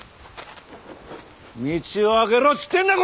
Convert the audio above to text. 道を空けろっつってんだこら！